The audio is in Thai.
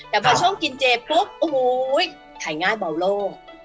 แต่พอช่วงกินเจนปุ๊บอู้หู้ยถ่ายง่ายเบาโล่ง